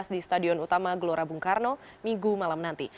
di stadion utama gelora bung karno minggu malam nanti